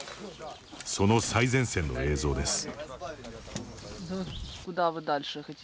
その最前線の映像です。